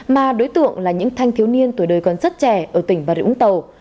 mà đối tượng là những thanh thiếu niên tuổi đời còn rất trẻ ở tỉnh bà rịa úng tàu